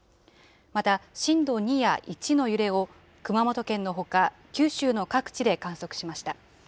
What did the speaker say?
また、震度２や１の揺れを熊本県のほか、九州の各地で観測しました。